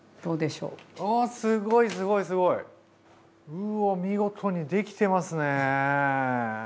うわ見事にできてますね！